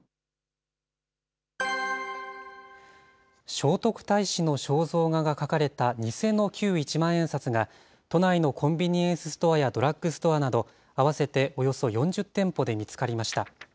聖徳太子の肖像画が描かれた偽の旧一万円札が都内のコンビニエンスストアやドラッグストアなど、合わせておよそ４０店舗で見つかりました。